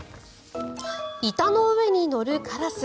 板の上に乗るカラス。